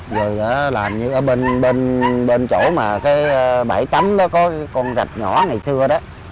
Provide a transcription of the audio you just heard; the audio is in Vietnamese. rồi làm như ở bên chỗ mà cái bãi tắm đó có con rạch nhỏ ngày xưa đó